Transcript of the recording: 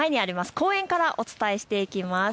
公園からお伝えしていきます。